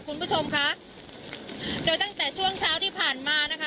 คุณผู้ชมค่ะโดยตั้งแต่ช่วงเช้าที่ผ่านมานะคะ